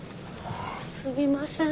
すみません。